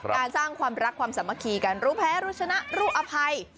สร้างความรักความสามัคคีกันรู้แพ้รู้ชนะรู้อภัย